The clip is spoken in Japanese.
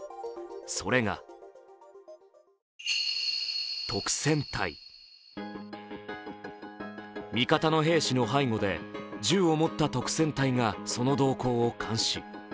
それが味方の兵士の背後で銃を持った督戦隊が、その動向を監視。